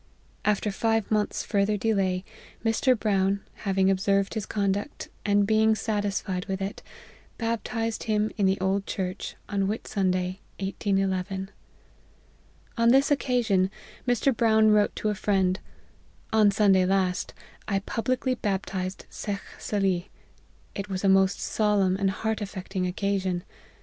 After five month's further delay, Mr. Brown, having observed his conduct, and being satisfied with it, baptized him in the old church, on Whit Sunday, 1811. " On this occasion, Mr. Brown wrote to a friend :' On Sunday last, I publicly baptized Shekh Salih. It was a most solemn and heart affecting occasion.